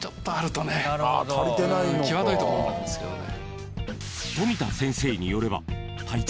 際どいところなんですけどね。